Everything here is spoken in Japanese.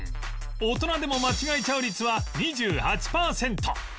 大人でも間違えちゃう率は２８パーセント